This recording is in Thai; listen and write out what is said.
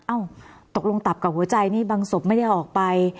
เอ้าตกลงตับกับหัวใจนี่บางศพไม่ได้ออกไป